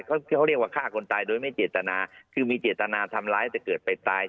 เขาเขาเรียกว่าฆ่าคนตายโดยไม่เจตนาคือมีเจตนาทำร้ายแต่เกิดไปตาย